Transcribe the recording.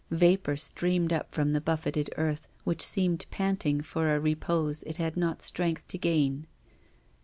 Vapour streamed up from the buffeted earth, which seemed panting for a repose it had no strength to gain.